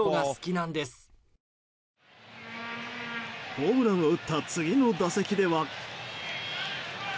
ホームランを打った次の打席では。